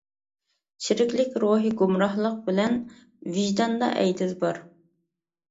چىرىكلىك روھى گۇمراھلىق بىلەن ۋىجداندا ئەيدىز بار.